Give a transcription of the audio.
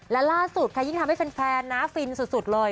แล้วล่าสุดยิ่งทำให้แฟนฟินสุดเลย